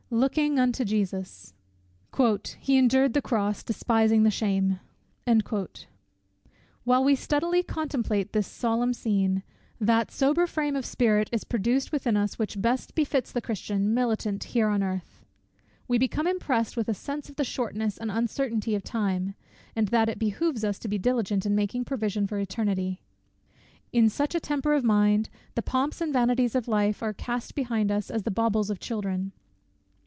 LOOKING UNTO JESUS! "He endured the cross, despising the shame." While we steadily contemplate this solemn scene, that sober frame of spirit is produced within us, which best befits the Christian, militant here on earth. We become impressed with a sense of the shortness and uncertainty of time, and that it behoves us to be diligent in making provision for eternity. In such a temper of mind, the pomps and vanities of life are cast behind us as the baubles of children.